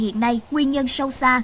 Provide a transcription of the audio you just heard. hiện nay nguyên nhân sâu xa